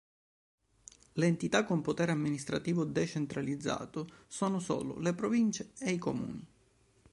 Le entità con potere amministrativo decentralizzato sono solo le province e i comuni.